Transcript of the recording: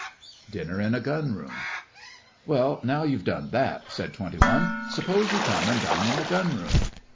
DINNER IN A GUN ROOM 'Well, now you've done that,' said Twenty One, 'suppose you come and dine in a Gun room.